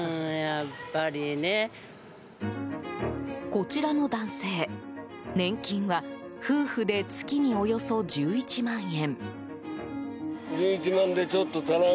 こちらの男性、年金は夫婦で月におよそ１１万円。